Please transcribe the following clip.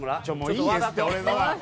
いいですって俺のは。